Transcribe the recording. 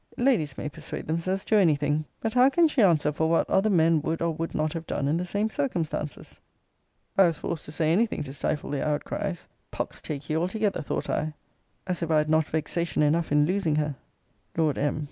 Ladies may persuade themselves to any thing: but how can she answer for what other men would or would not have done in the same circumstances? I was forced to say any thing to stifle their outcries. Pox take ye altogether, thought I; as if I had not vexation enough in losing her! Lord M.